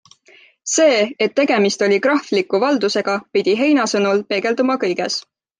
See, et tegemist oli krahvliku valdusega, pidi Heina sõnul peegelduma kõiges.